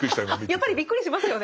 やっぱりびっくりしますよね。